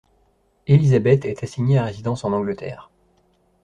Élisabeth est assignée à résidence en Angleterre.